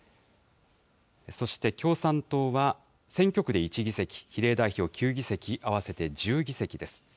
そして共産党は、選挙区で１議席、比例代表９議席、合わせて１０議席です。